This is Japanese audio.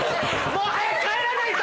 もう早く帰らないと！